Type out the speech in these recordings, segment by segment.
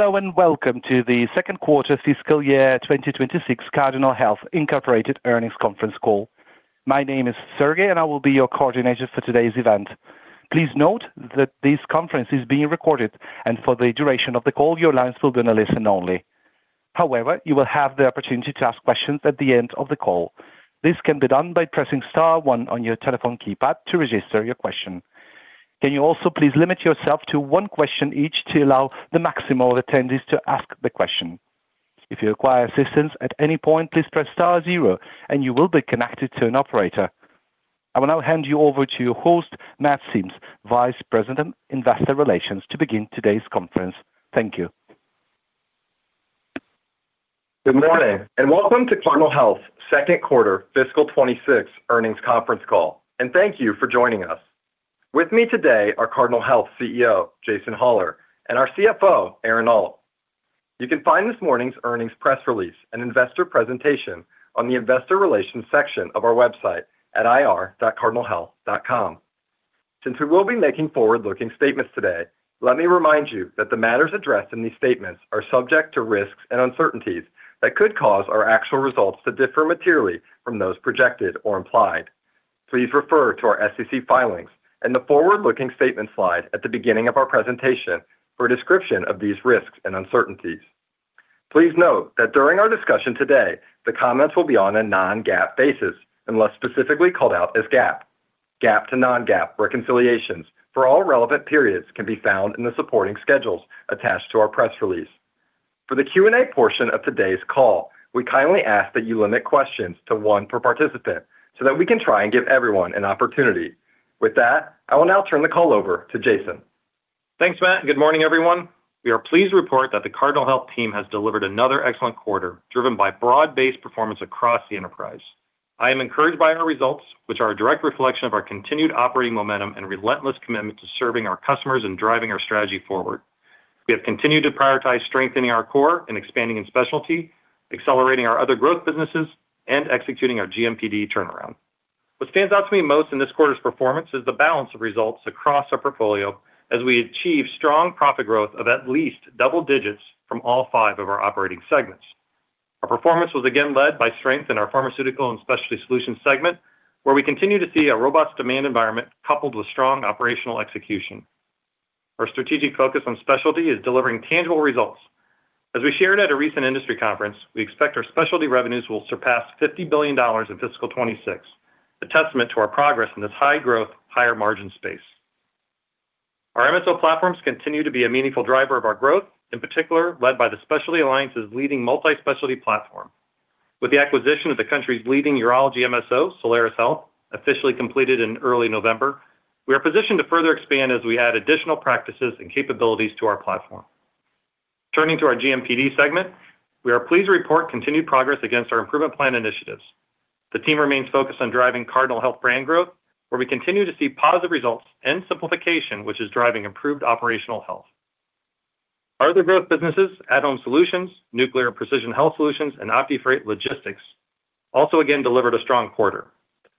Hello, and welcome to the second quarter fiscal year 2026 Cardinal Health Incorporated Earnings Conference Call. My name is Sergei, and I will be your coordinator for today's event. Please note that this conference is being recorded, and for the duration of the call, your lines will be on a listen only. However, you will have the opportunity to ask questions at the end of the call. This can be done by pressing star one on your telephone keypad to register your question. Can you also please limit yourself to one question each to allow the maximum of attendees to ask the question? If you require assistance at any point, please press star zero, and you will be connected to an operator. I will now hand you over to your host, Matt Sims, Vice President, Investor Relations, to begin today's conference. Thank you. Good morning, and welcome to Cardinal Health's second quarter fiscal 2026 earnings conference call. Thank you for joining us. With me today are Cardinal Health CEO, Jason Hollar, and our CFO, Aaron Alt. You can find this morning's earnings press release and investor presentation on the Investor Relations section of our website at ir.cardinalhealth.com. Since we will be making forward-looking statements today, let me remind you that the matters addressed in these statements are subject to risks and uncertainties that could cause our actual results to differ materially from those projected or implied. Please refer to our SEC filings and the forward-looking statement slide at the beginning of our presentation for a description of these risks and uncertainties. Please note that during our discussion today, the comments will be on a non-GAAP basis, unless specifically called out as GAAP. GAAP to non-GAAP reconciliations for all relevant periods can be found in the supporting schedules attached to our press release. For the Q&A portion of today's call, we kindly ask that you limit questions to one per participant, so that we can try and give everyone an opportunity. With that, I will now turn the call over to Jason. Thanks, Matt, and good morning, everyone. We are pleased to report that the Cardinal Health team has delivered another excellent quarter, driven by broad-based performance across the enterprise. I am encouraged by our results, which are a direct reflection of our continued operating momentum and relentless commitment to serving our customers and driving our strategy forward. We have continued to prioritize strengthening our core and expanding in specialty, accelerating our other growth businesses, and executing our GMPD turnaround. What stands out to me most in this quarter's performance is the balance of results across our portfolio as we achieve strong profit growth of at least double digits from all five of our operating segments. Our performance was again led by strength in our pharmaceutical and specialty solutions segment, where we continue to see a robust demand environment coupled with strong operational execution. Our strategic focus on specialty is delivering tangible results. As we shared at a recent industry conference, we expect our specialty revenues will surpass $50 billion in fiscal 2026, a testament to our progress in this high-growth, higher-margin space. Our MSO platforms continue to be a meaningful driver of our growth, in particular, led by the Specialty Alliance's leading multi-specialty platform. With the acquisition of the country's leading urology MSO, Solaris Health, officially completed in early November, we are positioned to further expand as we add additional practices and capabilities to our platform. Turning to our GMPD segment, we are pleased to report continued progress against our improvement plan initiatives. The team remains focused on driving Cardinal Health brand growth, where we continue to see positive results and simplification, which is driving improved operational health. Our other growth businesses, at-Home Solutions, Nuclear and Precision Health Solutions, and OptiFreight Logistics, also again delivered a strong quarter.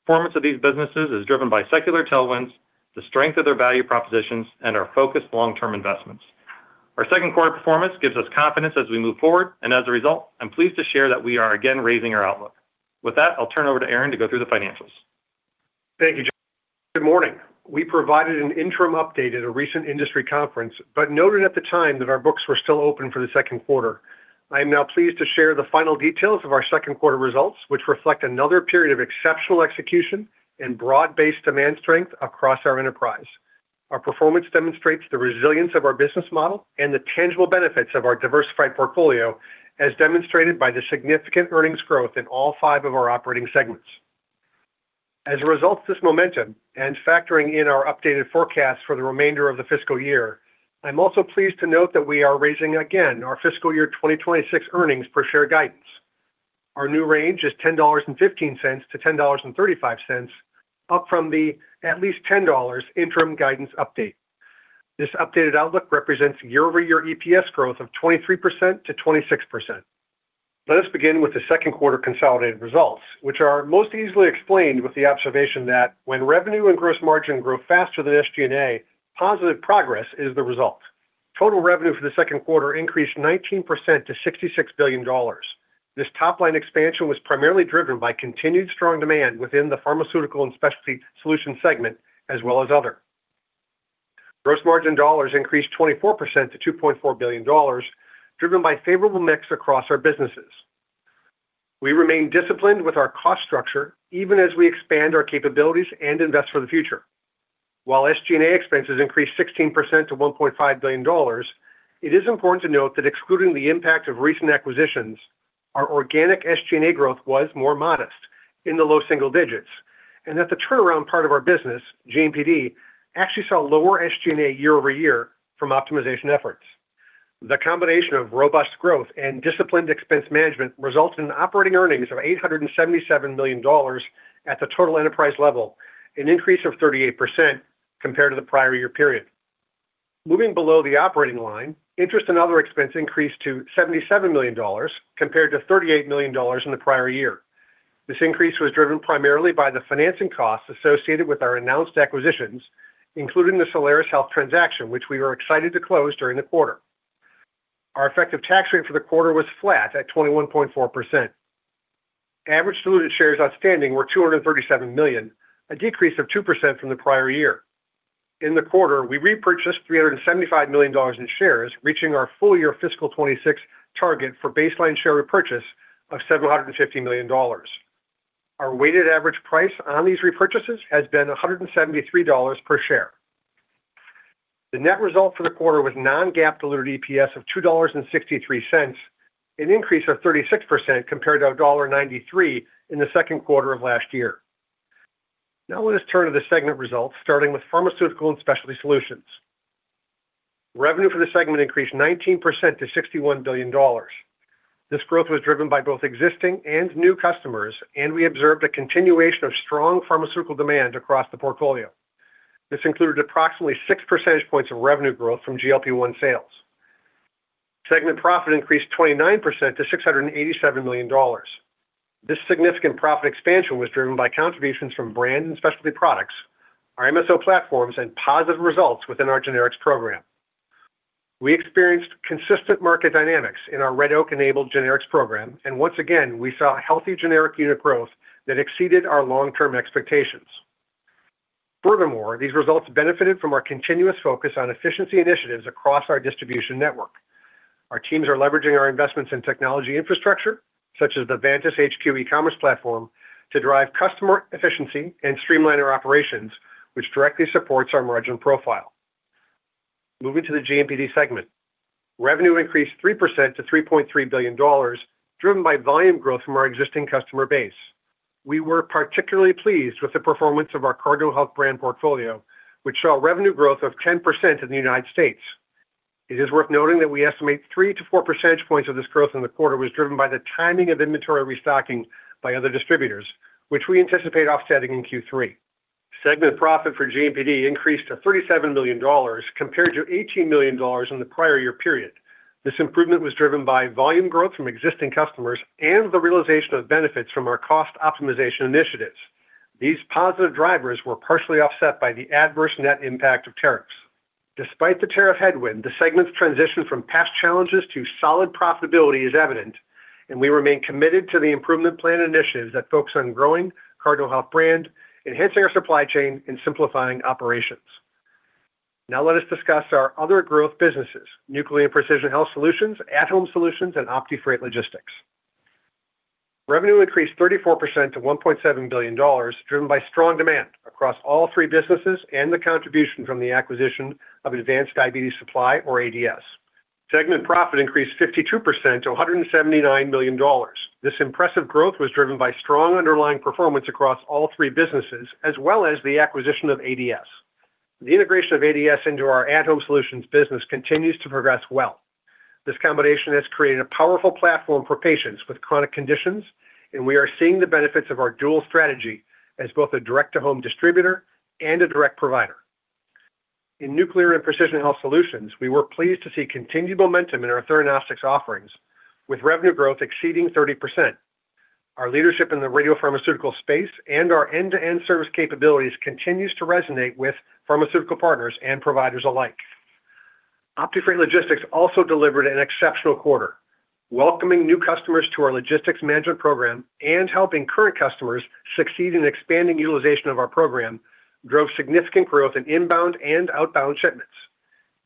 Performance of these businesses is driven by secular tailwinds, the strength of their value propositions, and our focused long-term investments. Our second quarter performance gives us confidence as we move forward, and as a result, I'm pleased to share that we are again raising our outlook. With that, I'll turn over to Aaron to go through the financials. Thank you, Jason. Good morning. We provided an interim update at a recent industry conference, but noted at the time that our books were still open for the second quarter. I am now pleased to share the final details of our second quarter results, which reflect another period of exceptional execution and broad-based demand strength across our enterprise. Our performance demonstrates the resilience of our business model and the tangible benefits of our diversified portfolio, as demonstrated by the significant earnings growth in all five of our operating segments. As a result of this momentum and factoring in our updated forecast for the remainder of the fiscal year, I'm also pleased to note that we are raising again our fiscal year 2026 earnings per share guidance. Our new range is $10.15-$10.35, up from the at least $10 interim guidance update. This updated outlook represents year-over-year EPS growth of 23%-26%. Let us begin with the second quarter consolidated results, which are most easily explained with the observation that when revenue and gross margin grow faster than SG&A, positive progress is the result. Total revenue for the second quarter increased 19%-$66 billion. This top-line expansion was primarily driven by continued strong demand within the pharmaceutical and specialty solutions segment, as well as other. Gross margin dollars increased 24% to $2.4 billion, driven by favorable mix across our businesses. We remain disciplined with our cost structure, even as we expand our capabilities and invest for the future. While SG&A expenses increased 16%-$1.5 billion, it is important to note that excluding the impact of recent acquisitions, our organic SG&A growth was more modest, in the low single digits, and that the turnaround part of our business, GMPD, actually saw lower SG&A year-over-year from optimization efforts. The combination of robust growth and disciplined expense management resulted in operating earnings of $877 million at the total enterprise level, an increase of 38% compared to the prior year period. Moving below the operating line, interest and other expenses increased to $77 million, compared to $38 million in the prior year. This increase was driven primarily by the financing costs associated with our announced acquisitions, including the Solaris Health transaction, which we were excited to close during the quarter. Our effective tax rate for the quarter was flat at 21.4%. Average diluted shares outstanding were 237 million, a decrease of 2% from the prior year. In the quarter, we repurchased $375 million in shares, reaching our full year fiscal 2026 target for baseline share repurchase of $750 million. Our weighted average price on these repurchases has been $173 per share. The net result for the quarter was non-GAAP diluted EPS of $2.63, an increase of 36% compared to $1.93 in the second quarter of last year. Now let us turn to the segment results, starting with Pharmaceutical and Specialty Solutions. Revenue for the segment increased 19% to $61 billion. This growth was driven by both existing and new customers, and we observed a continuation of strong pharmaceutical demand across the portfolio. This included approximately 6 percentage points of revenue growth from GLP-1 sales. Segment profit increased 29% to $687 million. This significant profit expansion was driven by contributions from brand and specialty products, our MSO platforms, and positive results within our generics program. We experienced consistent market dynamics in our Red Oak-enabled generics program, and once again, we saw a healthy generic unit growth that exceeded our long-term expectations. Furthermore, these results benefited from our continuous focus on efficiency initiatives across our distribution network. Our teams are leveraging our investments in technology infrastructure, such as the Vantus HQ e-commerce platform, to drive customer efficiency and streamline our operations, which directly supports our margin profile. Moving to the GMPD segment. Revenue increased 3% to $3.3 billion, driven by volume growth from our existing customer base. We were particularly pleased with the performance of our Cardinal Health brand portfolio, which saw revenue growth of 10% in the United States. It is worth noting that we estimate 3-4 percentage points of this growth in the quarter was driven by the timing of inventory restocking by other distributors, which we anticipate offsetting in Q3. Segment profit for GMPD increased to $37 million compared to $18 million in the prior year period. This improvement was driven by volume growth from existing customers and the realization of benefits from our cost optimization initiatives. These positive drivers were partially offset by the adverse net impact of tariffs. Despite the tariff headwind, the segment's transition from past challenges to solid profitability is evident, and we remain committed to the improvement plan initiatives that focus on growing Cardinal Health Brand, enhancing our supply chain, and simplifying operations. Now let us discuss our other growth businesses, Nuclear and Precision Health Solutions, at-Home Solutions, and OptiFreight Logistics. Revenue increased 34% to $1.7 billion, driven by strong demand across all three businesses and the contribution from the acquisition of Advanced Diabetes Supply, or ADS. Segment profit increased 52% to $179 million. This impressive growth was driven by strong underlying performance across all three businesses, as well as the acquisition of ADS. The integration of ADS into our at-Home Solutions business continues to progress well. This combination has created a powerful platform for patients with chronic conditions, and we are seeing the benefits of our dual strategy as both a direct-to-home distributor and a direct provider. In Nuclear and Precision Health Solutions, we were pleased to see continued momentum in our Theranostics offerings, with revenue growth exceeding 30%. Our leadership in the radiopharmaceutical space and our end-to-end service capabilities continues to resonate with pharmaceutical partners and providers alike. OptiFreight Logistics also delivered an exceptional quarter. Welcoming new customers to our logistics management program and helping current customers succeed in expanding utilization of our program drove significant growth in inbound and outbound shipments.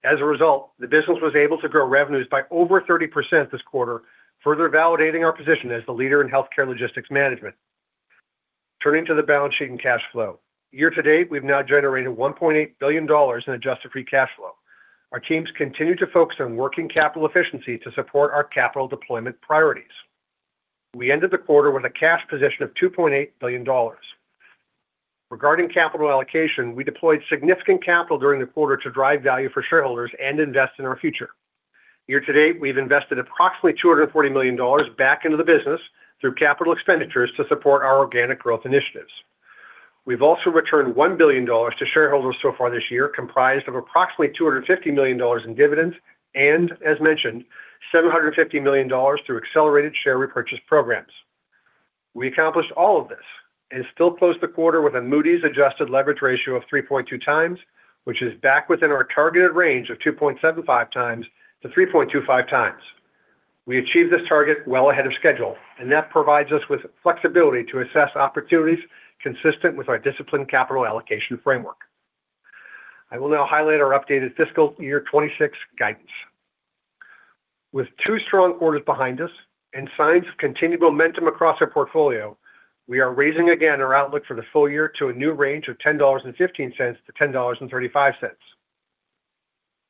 As a result, the business was able to grow revenues by over 30% this quarter, further validating our position as the leader in healthcare logistics management. Turning to the balance sheet and cash flow. Year to date, we've now generated $1.8 billion in adjusted free cash flow. Our teams continue to focus on working capital efficiency to support our capital deployment priorities. We ended the quarter with a cash position of $2.8 billion. Regarding capital allocation, we deployed significant capital during the quarter to drive value for shareholders and invest in our future. Year to date, we've invested approximately $240 million back into the business through capital expenditures to support our organic growth initiatives. We've also returned $1 billion to shareholders so far this year, comprised of approximately $250 million in dividends, and, as mentioned, $750 million through accelerated share repurchase programs. We accomplished all of this and still closed the quarter with a Moody's adjusted leverage ratio of 3.2x, which is back within our targeted range of 2.75x-3.25x. We achieved this target well ahead of schedule, and that provides us with flexibility to assess opportunities consistent with our disciplined capital allocation framework. I will now highlight our updated fiscal year 2026 guidance. With 2 strong quarters behind us and signs of continued momentum across our portfolio, we are raising again our outlook for the full year to a new range of $10.15-$10.35.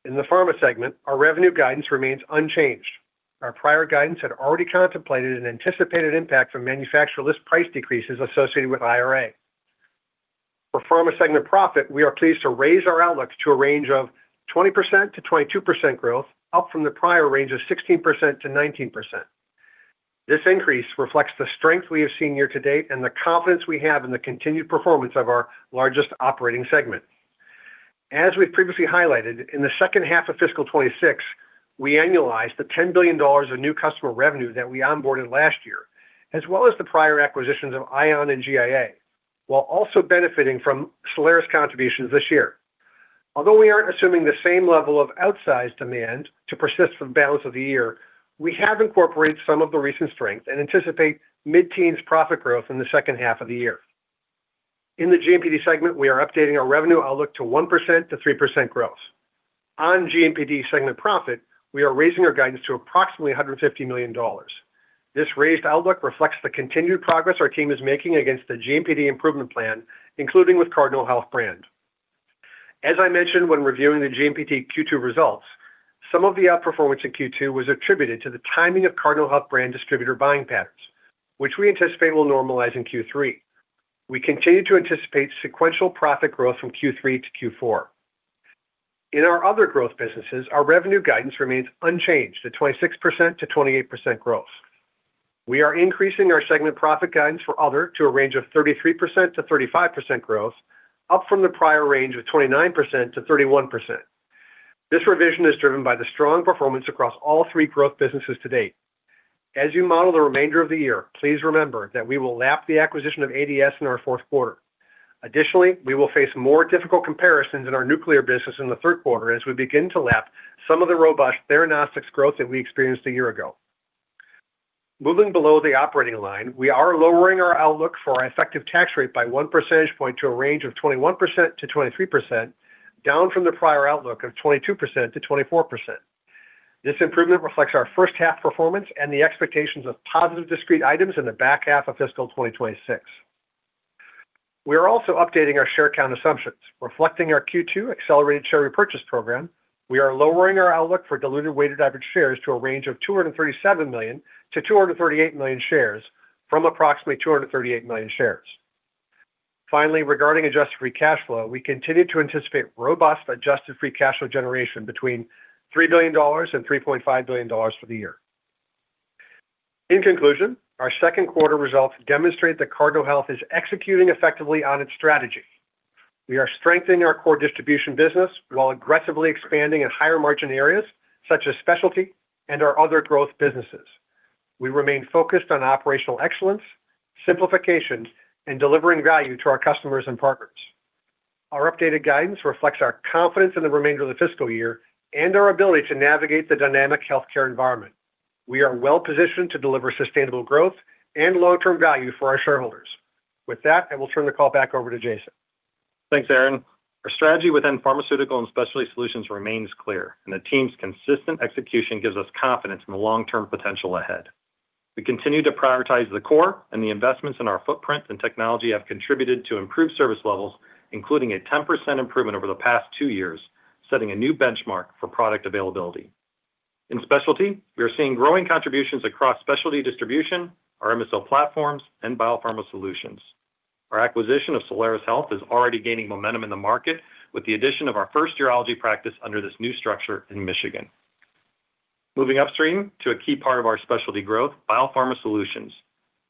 In the pharma segment, our revenue guidance remains unchanged. Our prior guidance had already contemplated an anticipated impact from manufacturer list price decreases associated with IRA. For pharma segment profit, we are pleased to raise our outlook to a range of 20%-22% growth, up from the prior range of 16%-19%. This increase reflects the strength we have seen year to date and the confidence we have in the continued performance of our largest operating segment. As we've previously highlighted, in the second half of fiscal 2026, we annualized the $10 billion of new customer revenue that we onboarded last year, as well as the prior acquisitions of Ion and GIA, while also benefiting from Solaris contributions this year. Although we aren't assuming the same level of outsized demand to persist for the balance of the year, we have incorporated some of the recent strength and anticipate mid-teens profit growth in the second half of the year. In the GMPD segment, we are updating our revenue outlook to 1%-3% growth. On GMPD segment profit, we are raising our guidance to approximately $150 million. This raised outlook reflects the continued progress our team is making against the GMPD improvement plan, including with Cardinal Health Brand. As I mentioned when reviewing the GMPD Q2 results, some of the outperformance in Q2 was attributed to the timing of Cardinal Health Brand distributor buying patterns, which we anticipate will normalize in Q3. We continue to anticipate sequential profit growth from Q3 to Q4. In our other growth businesses, our revenue guidance remains unchanged at 26%-28% growth. We are increasing our segment profit guidance for other to a range of 33%-35% growth, up from the prior range of 29%-31%. This revision is driven by the strong performance across all three growth businesses to date. As you model the remainder of the year, please remember that we will lap the acquisition of ADS in our fourth quarter. Additionally, we will face more difficult comparisons in our nuclear business in the third quarter as we begin to lap some of the robust Theranostics growth that we experienced a year ago. Moving below the operating line, we are lowering our outlook for our effective tax rate by one percentage point to a range of 21%-23%, down from the prior outlook of 22%-24%. This improvement reflects our first half performance and the expectations of positive discrete items in the back half of fiscal 2026. We are also updating our share count assumptions, reflecting our Q2 accelerated share repurchase program. We are lowering our outlook for diluted weighted average shares to a range of 237 million-238 million shares, from approximately 238 million shares. Finally, regarding adjusted free cash flow, we continue to anticipate robust adjusted free cash flow generation between $3 billion and $3.5 billion for the year. In conclusion, our second quarter results demonstrate that Cardinal Health is executing effectively on its strategy. We are strengthening our core distribution business while aggressively expanding in higher margin areas, such as specialty and our other growth businesses. We remain focused on operational excellence, simplification, and delivering value to our customers and partners. Our updated guidance reflects our confidence in the remainder of the fiscal year and our ability to navigate the dynamic healthcare environment. We are well positioned to deliver sustainable growth and long-term value for our shareholders. With that, I will turn the call back over to Jason. Thanks, Aaron. Our strategy within pharmaceutical and specialty solutions remains clear, and the team's consistent execution gives us confidence in the long-term potential ahead. We continue to prioritize the core, and the investments in our footprint and technology have contributed to improved service levels, including a 10% improvement over the past 2 years, setting a new benchmark for product availability. In specialty, we are seeing growing contributions across specialty distribution, our MSO platforms, and Biopharma Solutions. Our acquisition of Solaris Health is already gaining momentum in the market, with the addition of our first urology practice under this new structure in Michigan. Moving upstream to a key part of our specialty growth, Biopharma Solutions.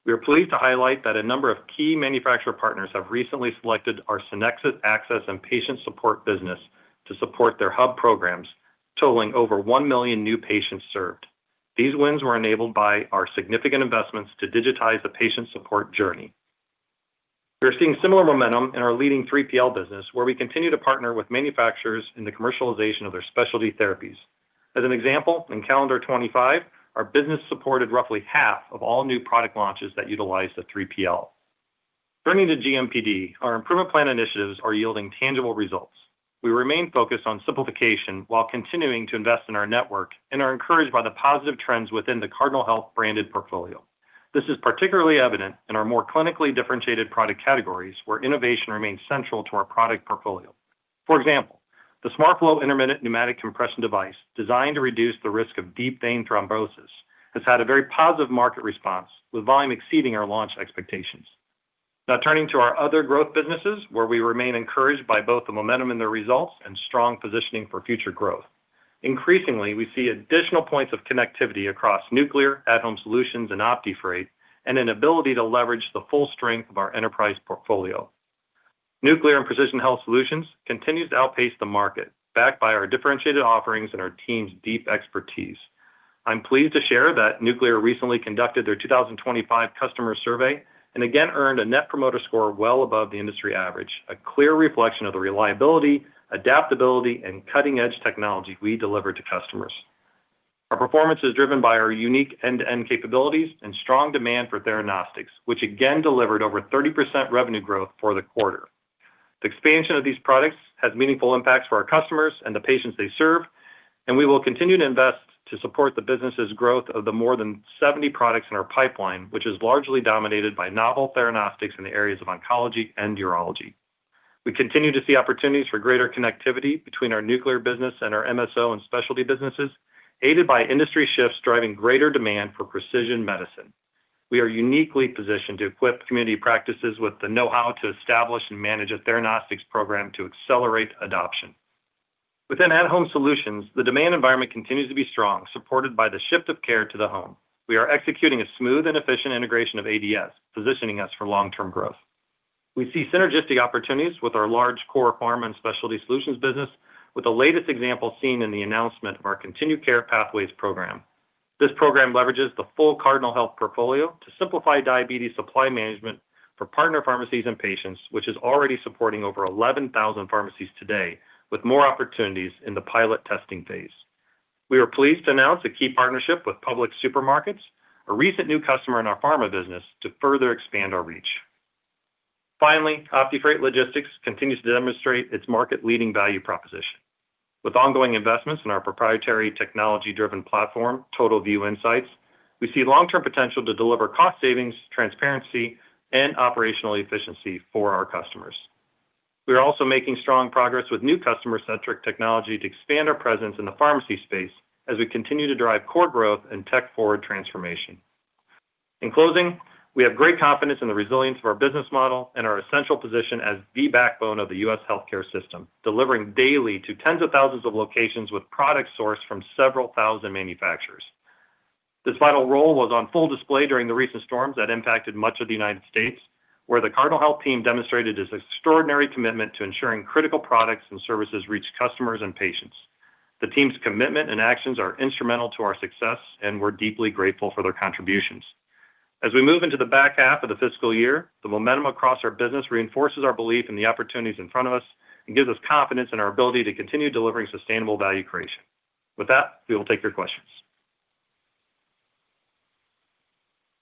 We are pleased to highlight that a number of key manufacturer partners have recently selected our Sonexus Access and Patient Support business to support their hub programs, totaling over 1 million new patients served. These wins were enabled by our significant investments to digitize the patient support journey. We are seeing similar momentum in our leading 3PL business, where we continue to partner with manufacturers in the commercialization of their specialty therapies. As an example, in calendar 2025, our business supported roughly half of all new product launches that utilized the 3PL. Turning to GMPD, our improvement plan initiatives are yielding tangible results. We remain focused on simplification while continuing to invest in our network, and are encouraged by the positive trends within the Cardinal Health branded portfolio. This is particularly evident in our more clinically differentiated product categories, where innovation remains central to our product portfolio. For example, the SmartFlow intermittent pneumatic compression device, designed to reduce the risk of deep vein thrombosis, has had a very positive market response, with volume exceeding our launch expectations. Now, turning to our other growth businesses, where we remain encouraged by both the momentum and the results and strong positioning for future growth. Increasingly, we see additional points of connectivity across nuclear, at-Home solutions, and OptiFreight, and an ability to leverage the full strength of our enterprise portfolio. Nuclear and Precision Health Solutions continues to outpace the market, backed by our differentiated offerings and our team's deep expertise. I'm pleased to share that Nuclear recently conducted their 2025 customer survey and again earned a net promoter score well above the industry average, a clear reflection of the reliability, adaptability, and cutting-edge technology we deliver to customers. Our performance is driven by our unique end-to-end capabilities and strong demand for Theranostics, which again delivered over 30% revenue growth for the quarter. The expansion of these products has meaningful impacts for our customers and the patients they serve, and we will continue to invest to support the business's growth of the more than 70 products in our pipeline, which is largely dominated by novel Theranostics in the areas of oncology and urology. We continue to see opportunities for greater connectivity between our nuclear business and our MSO and specialty businesses, aided by industry shifts driving greater demand for precision medicine. We are uniquely positioned to equip community practices with the know-how to establish and manage a Theranostics program to accelerate adoption.... Within at-Home Solutions, the demand environment continues to be strong, supported by the shift of care to the home. We are executing a smooth and efficient integration of ADS, positioning us for long-term growth. We see synergistic opportunities with our large core Pharma and Specialty Solutions business, with the latest example seen in the announcement of our ContinuCare Pathway program. This program leverages the full Cardinal Health portfolio to simplify diabetes supply management for partner pharmacies and patients, which is already supporting over 11,000 pharmacies today, with more opportunities in the pilot testing phase. We are pleased to announce a key partnership with Publix Super Markets, a recent new customer in our pharma business, to further expand our reach. Finally, OptiFreight Logistics continues to demonstrate its market-leading value proposition. With ongoing investments in our proprietary technology-driven platform, TotalVue Insights, we see long-term potential to deliver cost savings, transparency, and operational efficiency for our customers. We are also making strong progress with new customer-centric technology to expand our presence in the pharmacy space as we continue to drive core growth and tech-forward transformation. In closing, we have great confidence in the resilience of our business model and our essential position as the backbone of the U.S. healthcare system, delivering daily to tens of thousands of locations with products sourced from several thousand manufacturers. This vital role was on full display during the recent storms that impacted much of the United States, where the Cardinal Health team demonstrated its extraordinary commitment to ensuring critical products and services reach customers and patients. The team's commitment and actions are instrumental to our success, and we're deeply grateful for their contributions. As we move into the back half of the fiscal year, the momentum across our business reinforces our belief in the opportunities in front of us and gives us confidence in our ability to continue delivering sustainable value creation. With that, we will take your questions.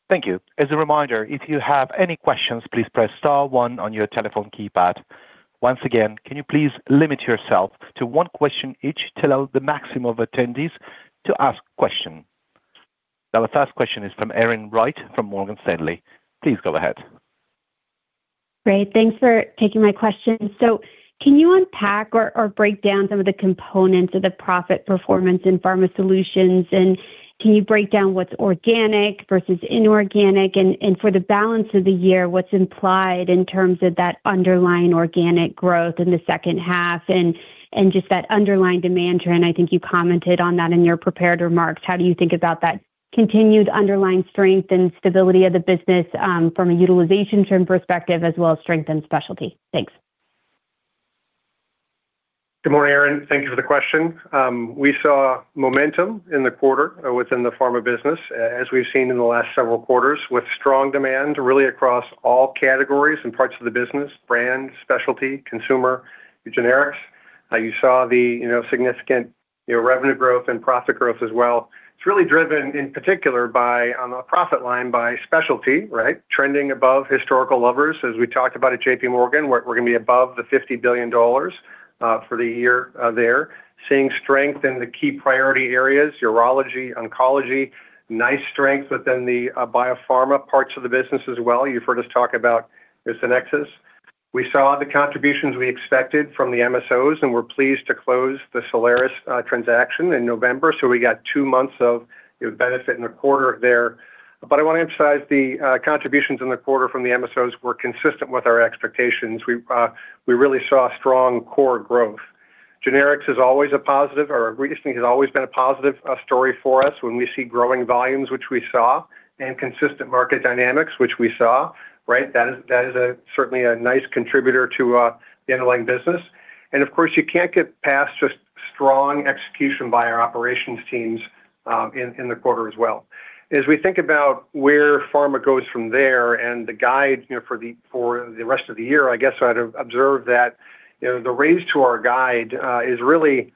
Thank you. As a reminder, if you have any questions, please press star one on your telephone keypad. Once again, can you please limit yourself to one question each to allow the maximum of attendees to ask question? Now, the first question is from Erin Wright, from Morgan Stanley. Please go ahead. Great. Thanks for taking my question. So can you unpack or break down some of the components of the profit performance in Pharma Solutions? And can you break down what's organic versus inorganic? And for the balance of the year, what's implied in terms of that underlying organic growth in the second half and just that underlying demand trend? I think you commented on that in your prepared remarks. How do you think about that continued underlying strength and stability of the business from a utilization trend perspective, as well as strength and specialty? Thanks. Good morning, Erin. Thank you for the question. We saw momentum in the quarter within the pharma business, as we've seen in the last several quarters, with strong demand really across all categories and parts of the business, brand, specialty, consumer, generics. You saw the, you know, significant, you know, revenue growth and profit growth as well. It's really driven, in particular, by, on the profit line, by specialty, right? Trending above historical levers. As we talked about at J.P. Morgan, we're, we're going to be above the $50 billion for the year there. Seeing strength in the key priority areas, urology, oncology, nice strength within the Biopharma parts of the business as well. You've heard us talk about Sonexus. We saw the contributions we expected from the MSOs, and we're pleased to close the Solaris transaction in November, so we got 2 months of benefit in the quarter there. But I want to emphasize the contributions in the quarter from the MSOs were consistent with our expectations. We really saw strong core growth. Generics is always a positive, or recently has always been a positive story for us when we see growing volumes, which we saw, and consistent market dynamics, which we saw, right? That is certainly a nice contributor to the underlying business. And of course, you can't get past just strong execution by our operations teams in the quarter as well. As we think about where pharma goes from there and the guide, you know, for the rest of the year, I guess I'd observe that, you know, the raise to our guide is really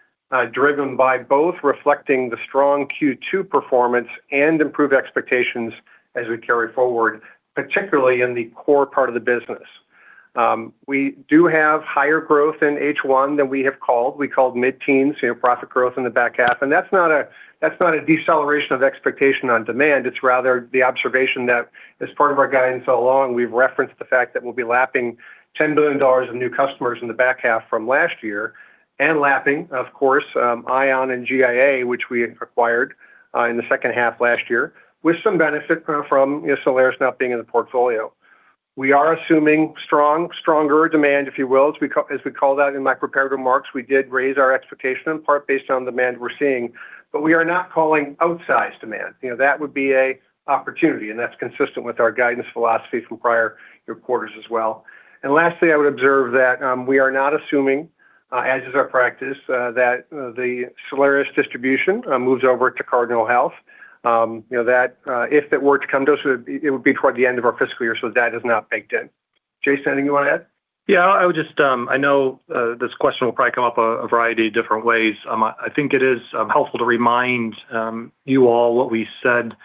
driven by both reflecting the strong Q2 performance and improved expectations as we carry forward, particularly in the core part of the business. We do have higher growth in H1 than we have called. We called mid-teens, you know, profit growth in the back half, and that's not a deceleration of expectation on demand. It's rather the observation that as part of our guidance all along, we've referenced the fact that we'll be lapping $10 billion of new customers in the back half from last year, and lapping, of course, Ion and GIA, which we acquired, in the second half last year, with some benefit from Solaris now being in the portfolio. We are assuming strong- stronger demand, if you will, as we call, as we call that in my prepared remarks, we did raise our expectation, in part based on demand we're seeing, but we are not calling outsized demand. You know, that would be a opportunity, and that's consistent with our guidance philosophy from prior quarters as well. And lastly, I would observe that, we are not assuming, as is our practice, that the Solaris distribution, moves over to Cardinal Health. You know, that if it were to come to us, it would be toward the end of our fiscal year, so that is not baked in. Jason, anything you want to add? Yeah, I would just, I know, this question will probably come up a variety of different ways. I think it is helpful to remind you all what we said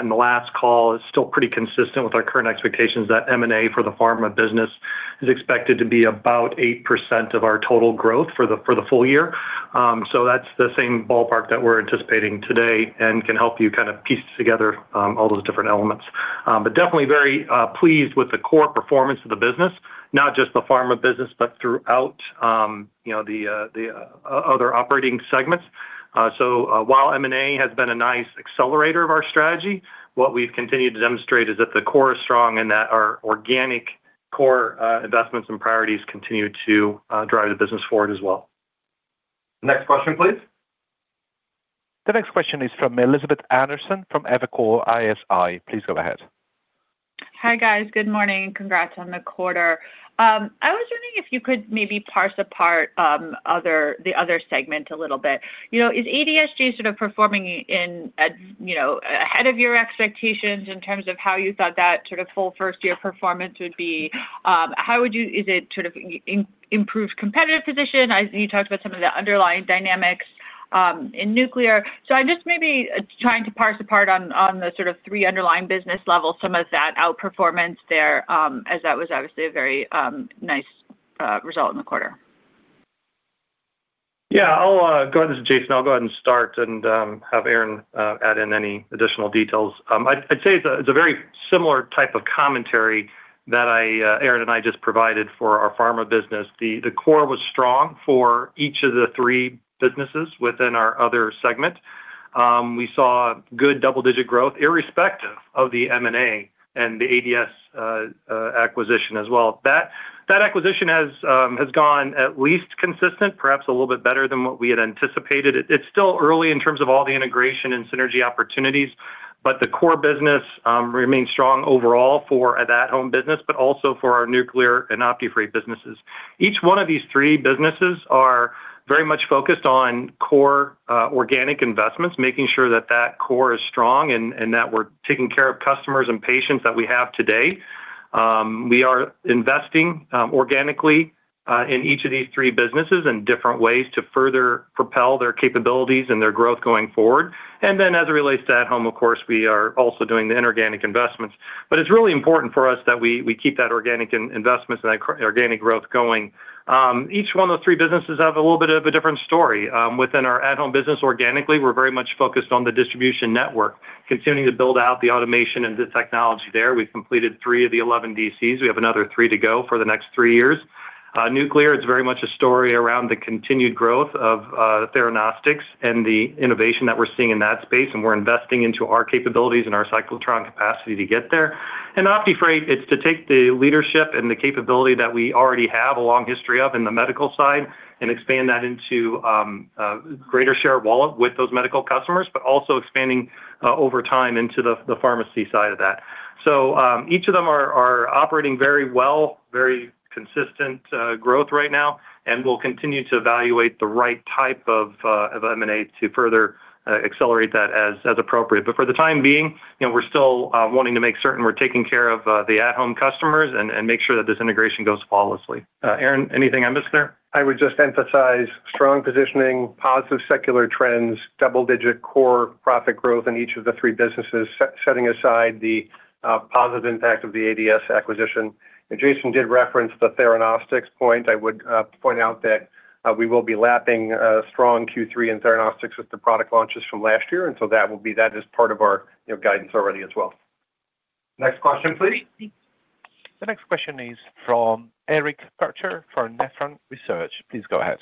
in the last call. It's still pretty consistent with our current expectations that M&A for the pharma business is expected to be about 8% of our total growth for the full year. So that's the same ballpark that we're anticipating today and can help you piece together all those different elements. But definitely very pleased with the core performance of the business, not just the pharma business, but throughout, you know, the other operating segments. So while M&A has been a nice accelerator of our strategy, what we've continued to demonstrate is that the core is strong and that our organic-... core investments and priorities continue to drive the business forward as well. Next question, please. The next question is from Elizabeth Anderson from Evercore ISI. Please go ahead. Hi, guys. Good morning, and congrats on the quarter. I was wondering if you could maybe parse apart the other segment a little bit. You know, is ADSG sort of performing in a, you know, ahead of your expectations in terms of how you thought that sort of full first-year performance would be? How would you... Is it sort of improved competitive position? You talked about some of the underlying dynamics in nuclear. So I'm just maybe trying to parse apart on the sort of three underlying business levels, some of that outperformance there, as that was obviously a very nice result in the quarter. Yeah, I'll go ahead. This is Jason. I'll go ahead and have Aaron add in any additional details. I'd say it's a very similar type of commentary that Aaron and I just provided for our pharma business. The core was strong for each of the three businesses within our other segment. We saw good double-digit growth, irrespective of the M&A and the ADS acquisition as well. That acquisition has gone at least consistent, perhaps a little bit better than what we had anticipated. It's still early in terms of all the integration and synergy opportunities, but the core business remains strong overall for that home business, but also for our nuclear and OptiFreight businesses. Each one of these three businesses are very much focused on core, organic investments, making sure that that core is strong and, and that we're taking care of customers and patients that we have today. We are investing organically in each of these three businesses in different ways to further propel their capabilities and their growth going forward. And then, as it relates to at-Home, of course, we are also doing the inorganic investments. But it's really important for us that we, we keep that organic investments and that organic growth going. Each one of those three businesses have a little bit of a different story. Within our at-Home business, organically, we're very much focused on the distribution network, continuing to build out the automation and the technology there. We've completed three of the 11 DCs. We have another three to go for the next three years. Nuclear, it's very much a story around the continued growth of Theranostics and the innovation that we're seeing in that space, and we're investing into our capabilities and our cyclotron capacity to get there. And OptiFreight, it's to take the leadership and the capability that we already have a long history of in the medical side and expand that into greater share of wallet with those medical customers, but also expanding over time into the pharmacy side of that. Each of them are operating very well, very consistent growth right now, and we'll continue to evaluate the right type of M&A to further accelerate that as appropriate. But for the time being, you know, we're still wanting to make certain we're taking care of the At-Home customers and make sure that this integration goes flawlessly. Aaron, anything I'm missing there? I would just emphasize strong positioning, positive secular trends, double-digit core profit growth in each of the three businesses, setting aside the positive impact of the ADS acquisition. And Jason did reference the Theranostics point. I would point out that we will be lapping strong Q3 in Theranostics with the product launches from last year, and so that will be, that is part of our, you know, guidance already as well. Next question, please. The next question is from Eric Percher for Nephron Research. Please go ahead.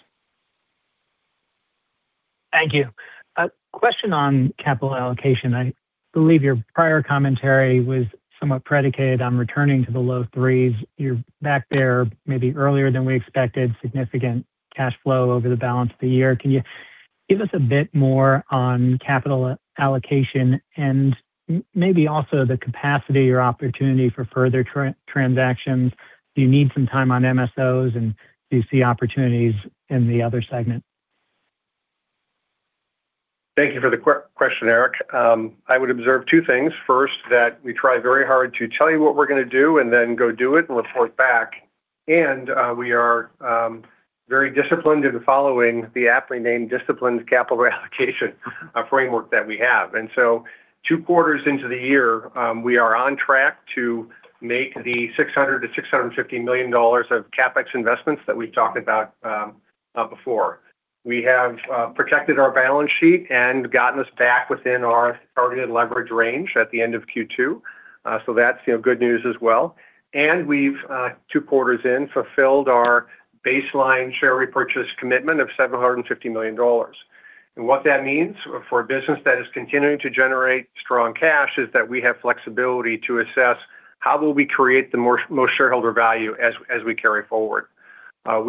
Thank you. A question on capital allocation. I believe your prior commentary was somewhat predicated on returning to the low threes. You're back there, maybe earlier than we expected, significant cash flow over the balance of the year. Can you give us a bit more on capital allocation and maybe also the capacity or opportunity for further transactions? Do you need some time on MSOs, and do you see opportunities in the other segment? Thank you for the question, Eric. I would observe two things. First, that we try very hard to tell you what we're gonna do and then go do it and report back. And we are very disciplined in following the aptly named disciplined capital allocation, a framework that we have. And so two quarters into the year, we are on track to make the $600 million-$650 million of CapEx investments that we've talked about, before. We have protected our balance sheet and gotten us back within our targeted leverage range at the end of Q2, so that's, you know, good news as well. And we've, two quarters in, fulfilled our baseline share repurchase commitment of $750 million. And what that means for a business that is continuing to generate strong cash is that we have flexibility to assess how we will create the most shareholder value as we carry forward. As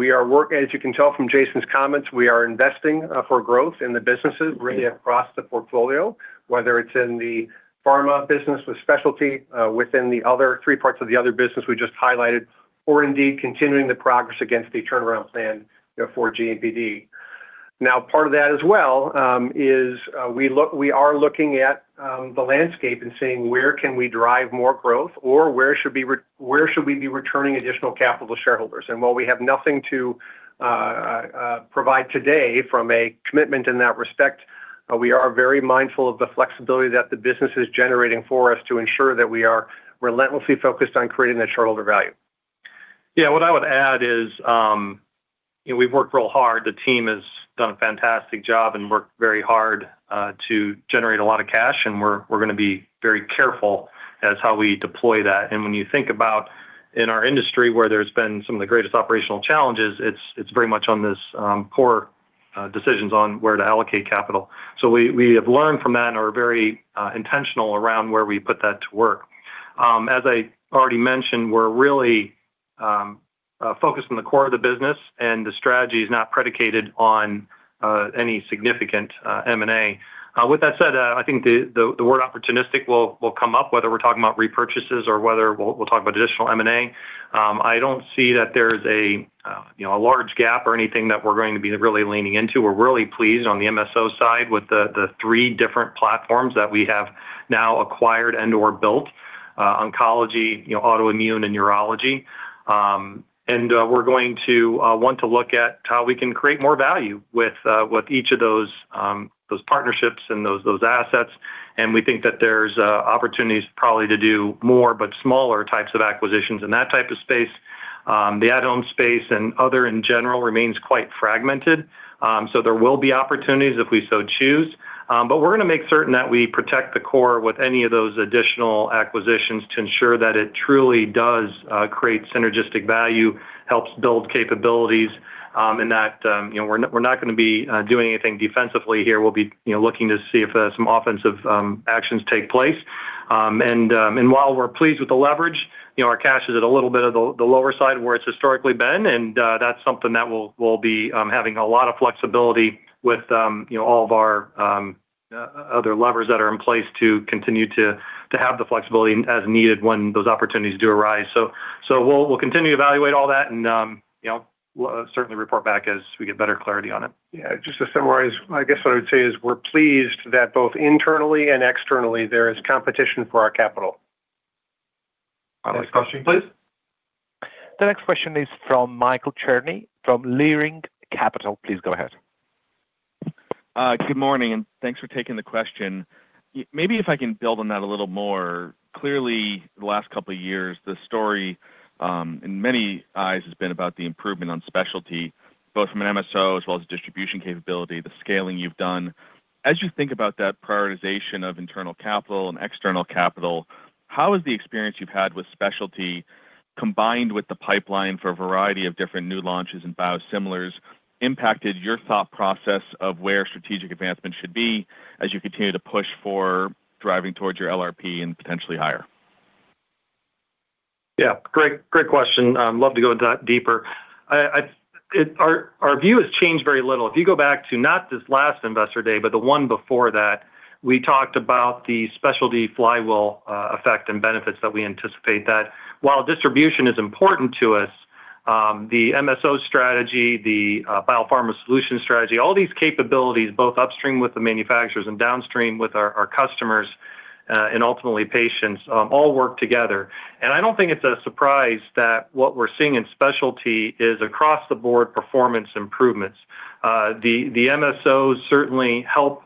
you can tell from Jason's comments, we are investing for growth in the businesses really across the portfolio, whether it's in the pharma business with specialty, within the other three parts of the other business we just highlighted, or indeed, continuing the progress against the turnaround plan, you know, for GMPD. Now, part of that as well is we are looking at the landscape and seeing where can we drive more growth or where should we be returning additional capital to shareholders. While we have nothing to provide today from a commitment in that respect, we are very mindful of the flexibility that the business is generating for us to ensure that we are relentlessly focused on creating that shareholder value. Yeah. What I would add is, you know, we've worked real hard. The team has done a fantastic job and worked very hard to generate a lot of cash, and we're gonna be very careful as how we deploy that. And when you think about in our industry, where there's been some of the greatest operational challenges, it's very much on this decisions on where to allocate capital. So we have learned from that and are very intentional around where we put that to work. As I already mentioned, we're really focused on the core of the business, and the strategy is not predicated on any significant M&A. With that said, I think the word opportunistic will come up, whether we're talking about repurchases or whether we'll talk about additional M&A. I don't see that there's a, you know, a large gap or anything that we're going to be really leaning into. We're really pleased on the MSO side with the three different platforms that we have now acquired and/or built, oncology, you know, autoimmune and urology. And we're going to want to look at how we can create more value with each of those partnerships and those assets. And we think that there's opportunities probably to do more, but smaller types of acquisitions in that type of space. The at-Home space and other in general remains quite fragmented. So there will be opportunities if we so choose. But we're gonna make certain that we protect the core with any of those additional acquisitions to ensure that it truly does create synergistic value, helps build capabilities, and that, you know, we're not, we're not gonna be doing anything defensively here. We'll be, you know, looking to see if some offensive actions take place. And while we're pleased with the leverage, you know, our cash is at a little bit of the lower side where it's historically been, and that's something that we'll be having a lot of flexibility with, you know, all of our other levers that are in place to continue to have the flexibility as needed when those opportunities do arise. So we'll continue to evaluate all that, and, you know, we'll certainly report back as we get better clarity on it. Yeah, just to summarize, I guess what I would say is we're pleased that both internally and externally there is competition for our capital. Next question, please. The next question is from Michael Cherny, from Leerink Partners. Please go ahead. Good morning, and thanks for taking the question. Maybe if I can build on that a little more. Clearly, the last couple of years, the story, in many eyes, has been about the improvement on specialty, both from an MSO as well as distribution capability, the scaling you've done. As you think about that prioritization of internal capital and external capital, how has the experience you've had with specialty, combined with the pipeline for a variety of different new launches and biosimilars, impacted your thought process of where strategic advancement should be as you continue to push for driving towards your LRP and potentially higher? Yeah, great, great question. Love to go into that deeper. Our view has changed very little. If you go back to not this last Investor Day, but the one before that, we talked about the specialty flywheel effect and benefits that we anticipate that while distribution is important to us, the MSO strategy, the biopharma solution strategy, all these capabilities, both upstream with the manufacturers and downstream with our customers, and ultimately patients, all work together. And I don't think it's a surprise that what we're seeing in specialty is across the board performance improvements. The MSO certainly help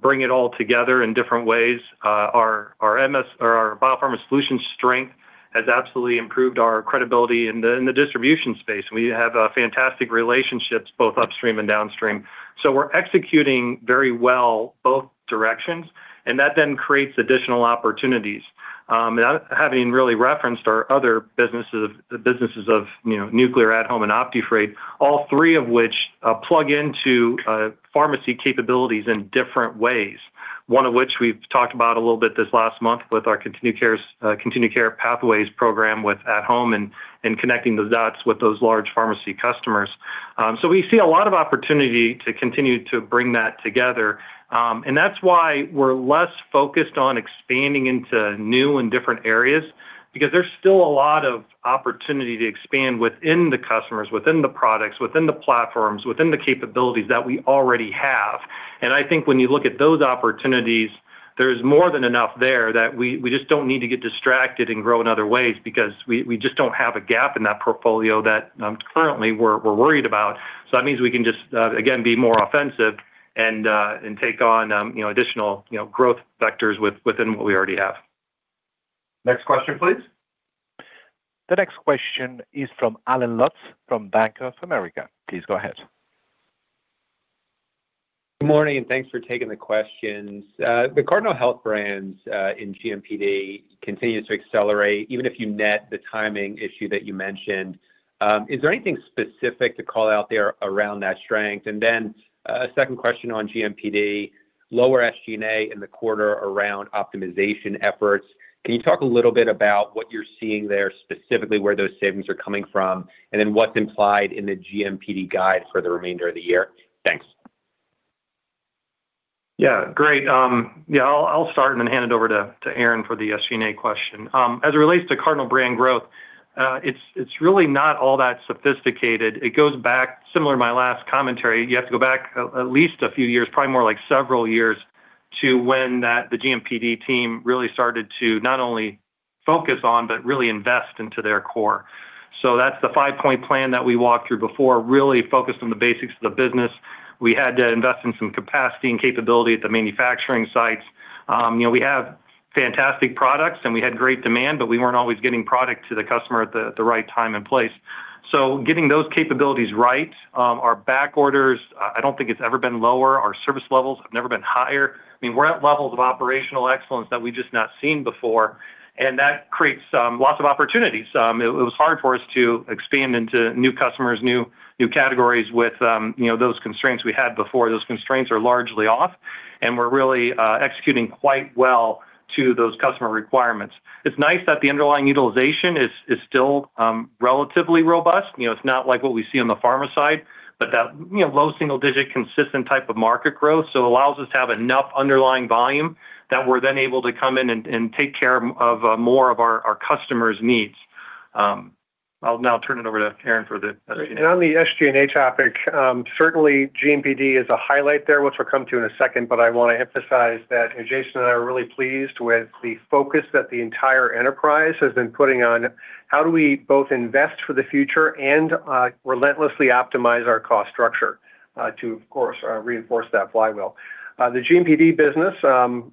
bring it all together in different ways. Our MSO or our biopharma solution strength has absolutely improved our credibility in the distribution space. We have fantastic relationships, both upstream and downstream. So we're executing very well both directions, and that then creates additional opportunities. And having really referenced our other businesses of—the businesses of, you know, nuclear at-Home and OptiFreight, all three of which plug into pharmacy capabilities in different ways. One of which we've talked about a little bit this last month with our ContinuCare Pathway program, with at-Home and connecting the dots with those large pharmacy customers. So we see a lot of opportunity to continue to bring that together. And that's why we're less focused on expanding into new and different areas, because there's still a lot of opportunity to expand within the customers, within the products, within the platforms, within the capabilities that we already have. And I think when you look at those opportunities, there's more than enough there that we just don't need to get distracted and grow in other ways because we just don't have a gap in that portfolio that currently we're worried about. So that means we can just again be more offensive and take on, you know, additional, you know, growth vectors within what we already have. Next question, please. The next question is from Allen Lutz, from Bank of America. Please go ahead. Good morning, and thanks for taking the questions. The Cardinal Health brands in GMPD continues to accelerate, even if you net the timing issue that you mentioned. Is there anything specific to call out there around that strength? And then, a second question on GMPD, lower SG&A in the quarter around optimization efforts. Can you talk a little bit about what you're seeing there, specifically, where those savings are coming from, and then what's implied in the GMPD guide for the remainder of the year? Thanks. Yeah, great. Yeah, I'll, I'll start and then hand it over to, to Aaron for the SG&A question. As it relates to Cardinal Brand growth, it's, it's really not all that sophisticated. It goes back, similar to my last commentary. You have to go back at least a few years, probably more like several years, to when that the GMPD team really started to not only focus on, but really invest into their core. So that's the five-point plan that we walked through before, really focused on the basics of the business. We had to invest in some capacity and capability at the manufacturing sites. You know, we have fantastic products, and we had great demand, but we weren't always getting product to the customer at the, at the right time and place. So getting those capabilities right, our back orders, I don't think it's ever been lower. Our service levels have never been higher. I mean, we're at levels of operational excellence that we've just not seen before, and that creates lots of opportunities. It was hard for us to expand into new customers, new categories with, you know, those constraints we had before. Those constraints are largely off the table, and we're really executing quite well to those customer requirements. It's nice that the underlying utilization is still relatively robust. You know, it's not like what we see on the pharma side, but that, you know, low single digit, consistent type of market growth, so allows us to have enough underlying volume, that we're then able to come in and take care of more of our customers' needs. I'll now turn it over to Aaron for the- On the SG&A topic, certainly GMPD is a highlight there, which we'll come to in a second, but I want to emphasize that, and Jason and I are really pleased with the focus that the entire enterprise has been putting on, how do we both invest for the future and relentlessly optimize our cost structure, to, of course, reinforce that flywheel? The GMPD business,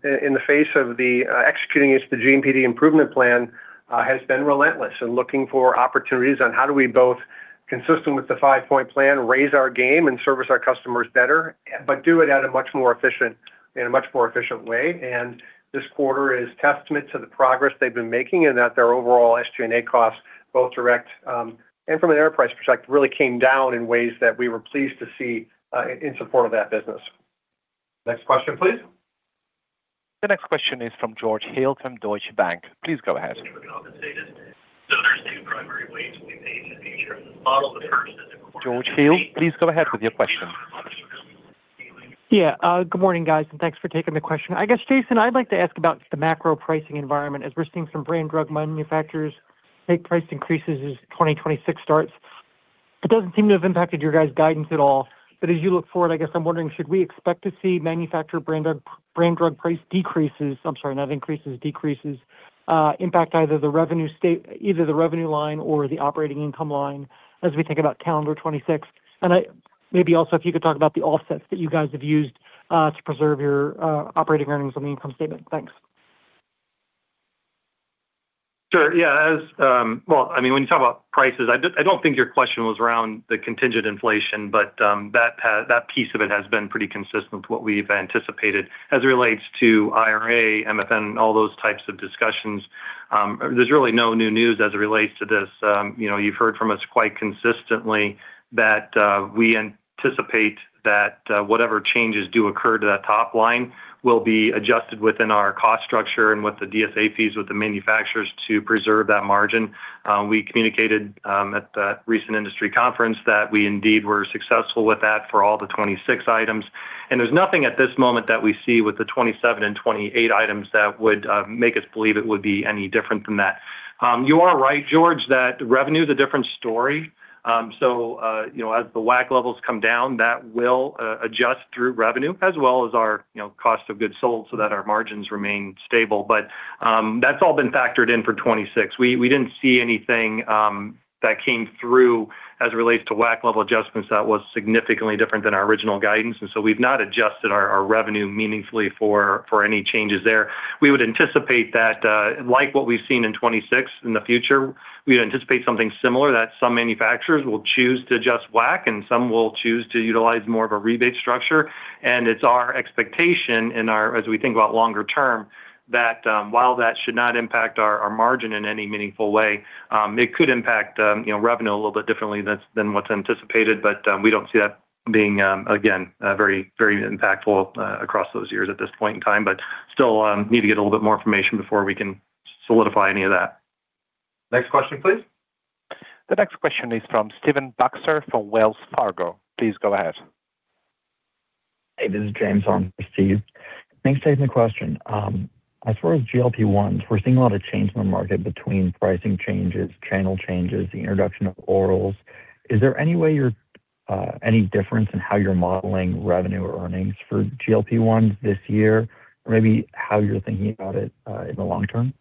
in the face of executing against the GMPD improvement plan, has been relentless in looking for opportunities on how do we both, consistent with the five-point plan, raise our game and service our customers better, but do it in a much more efficient way. This quarter is testament to the progress they've been making, and that their overall SG&A costs, both direct and from an enterprise perspective, really came down in ways that we were pleased to see, in support of that business. Next question, please. The next question is from George Hill from Deutsche Bank. Please go ahead. So there's two primary ways we pay insurance model, the first is- George Hill, please go ahead with your question. Yeah. Good morning, guys, and thanks for taking the question. I guess, Jason, I'd like to ask about the macro pricing environment, as we're seeing some brand drug manufacturers take price increases as 2026 starts. It doesn't seem to have impacted your guys' guidance at all, but as you look forward, I guess I'm wondering: should we expect to see manufacturer brand drug price decreases... I'm sorry, not increases, decreases, impact either the revenue line or the operating income line as we think about calendar 2026? And maybe also, if you could talk about the offsets that you guys have used to preserve your operating earnings on the income statement. Thanks. Sure. Yeah. Well, I mean, when you talk about prices, I don't think your question was around the contingent inflation, but, that piece of it has been pretty consistent with what we've anticipated. As it relates to IRA, MFN, all those types of discussions, there's really no new news as it relates to this. You know, you've heard from us quite consistently that, we anticipate that, whatever changes do occur to that top line will be adjusted within our cost structure and with the DSA fees, with the manufacturers to preserve that margin. We communicated at the recent industry conference that we indeed were successful with that for all the 26 items, and there's nothing at this moment that we see with the 27 and 28 items that would make us believe it would be any different than that. You are right, George, that revenue is a different story. So, you know, as the WAC levels come down, that will adjust through revenue, as well as our, you know, cost of goods sold so that our margins remain stable. But that's all been factored in for 26. We didn't see anything that came through as it relates to WAC level adjustments that was significantly different than our original guidance, and so we've not adjusted our revenue meaningfully for any changes there. We would anticipate that, like what we've seen in 26, in the future, we anticipate something similar, that some manufacturers will choose to adjust WAC, and some will choose to utilize more of a rebate structure. And it's our expectation as we think about longer term, that while that should not impact our margin in any meaningful way, it could impact, you know, revenue a little bit differently than what's anticipated. But we don't see that being, again, very, very impactful, across those years at this point in time. But still, need to get a little bit more information before we can solidify any of that. Next question, please. The next question is from Stephen Baxter from Wells Fargo. Please go ahead. Hey, this is James on for Steve. Thanks, Jason. The question, as far as GLP-1s, we're seeing a lot of change in the market between pricing changes, channel changes, the introduction of orals. Is there any way you're, any difference in how you're modeling revenue or earnings for GLP-1s this year, or maybe how you're thinking about it, in the long term?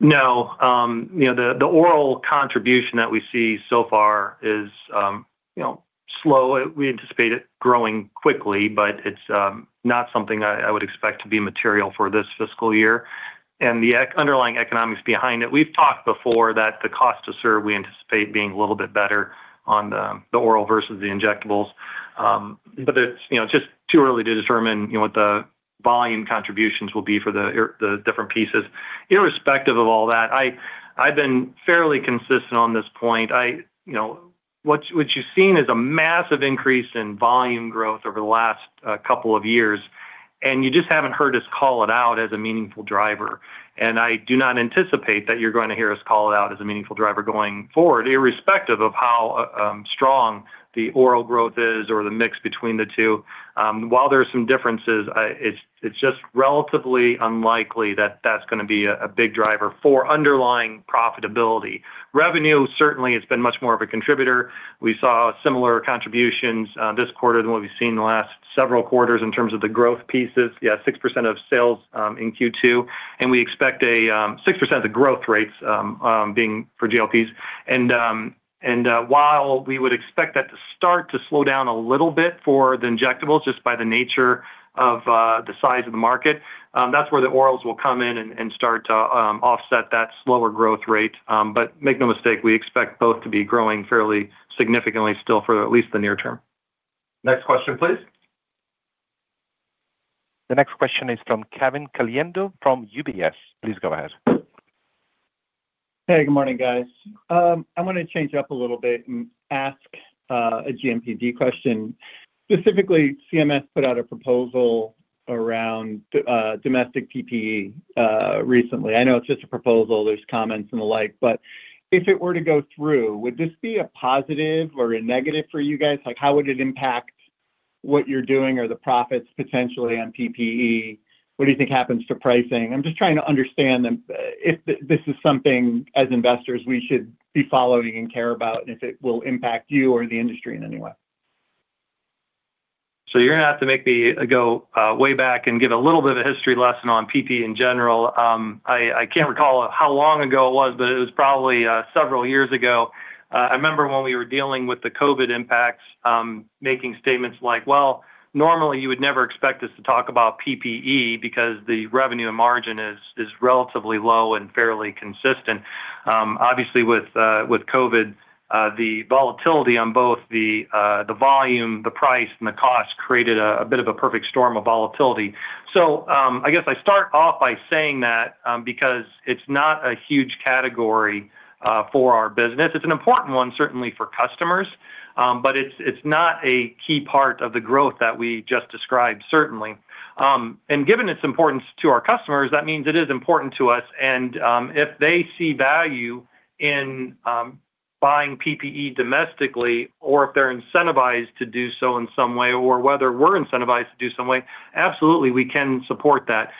No. You know, the oral contribution that we see so far is, you know, slow. We anticipate it growing quickly, but it's not something I would expect to be material for this fiscal year. The underlying economics behind it, we've talked before that the cost to serve, we anticipate being a little bit better on the oral versus the injectables. But it's, you know, just too early to determine, you know, what the volume contributions will be for the different pieces. Irrespective of all that, I've been fairly consistent on this point. You know, what you've seen is a massive increase in volume growth over the last couple of years, and you just haven't heard us call it out as a meaningful driver. And I do not anticipate that you're going to hear us call it out as a meaningful driver going forward, irrespective of how strong the oral growth is or the mix between the two. While there are some differences, it's, it's just relatively unlikely that that's gonna be a big driver for underlying profitability. Revenue, certainly, it's been much more of a contributor. We saw similar contributions this quarter than what we've seen in the last several quarters in terms of the growth pieces. Yeah, 6% of sales in Q2, and we expect a... 6% of the growth rates being for GLPs. While we would expect that to start to slow down a little bit for the injectables, just by the nature of the size of the market, that's where the orals will come in and start to offset that slower growth rate. But make no mistake, we expect both to be growing fairly significantly still for at least the near term. Next question, please. The next question is from Kevin Caliendo, from UBS. Please go ahead. Hey, good morning, guys. I want to change it up a little bit and ask a GMPD question. Specifically, CMS put out a proposal around domestic PPE recently. I know it's just a proposal, there's comments and the like, but if it were to go through, would this be a positive or a negative for you guys? Like, how would it impact what you're doing or the profits potentially on PPE? What do you think happens to pricing? I'm just trying to understand if this is something as investors we should be following and care about, and if it will impact you or the industry in any way. So you're going to have to make me go way back and give a little bit of history lesson on PPE in general. I can't recall how long ago it was, but it was probably several years ago. I remember when we were dealing with the COVID impacts, making statements like, "Well, normally you would never expect us to talk about PPE because the revenue and margin is relatively low and fairly consistent." Obviously, with COVID, the volatility on both the volume, the price, and the cost created a bit of a perfect storm of volatility. So I guess I start off by saying that, because it's not a huge category for our business. It's an important one, certainly for customers, but it's, it's not a key part of the growth that we just described, certainly. And given its importance to our customers, that means it is important to us, and if they see value in buying PPE domestically or if they're incentivized to do so in some way or whether we're incentivized to do some way, absolutely, we can support that.